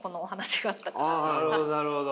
なるほどなるほど。